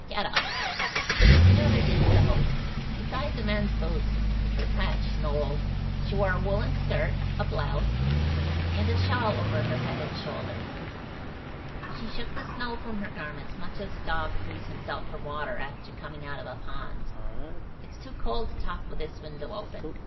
Get up." The other did so. Beside the men's boots, which were patched and old, she wore a woollen skirt, a blouse, and a shawl over her head and shoulders. She shook the snow from her garments much as a dog frees himself from water after coming out of a pond. "It's too cold to talk with this window open.